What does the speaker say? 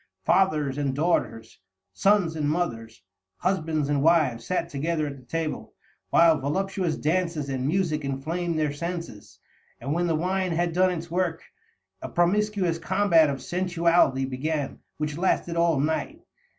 Fathers and daughters, sons and mothers, husbands and wives sat together at the table, while voluptuous dances and music inflamed their senses, and when the wine had done its work, a promiscuous combat of sensuality began which lasted all night.